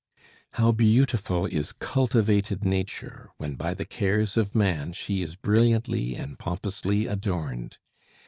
How beautiful is cultivated Nature when by the cares of man she is brilliantly and pompously adorned!